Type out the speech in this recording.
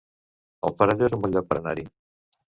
El Perelló es un bon lloc per anar-hi